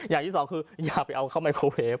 อย่างที่สองคืออย่าไปเอาเข้าไมโครเวฟ